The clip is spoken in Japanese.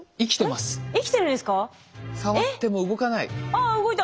ああ動いた。